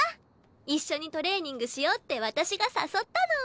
一緒にトレーニングしようって私が誘ったの。